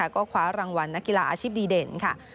ก็คว้ารางวัลนักกีฬาอาชีพดีเด่นค่ะ